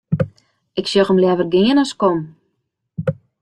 Ik sjoch him leaver gean as kommen.